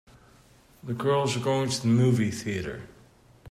The girls are going to the movie theater.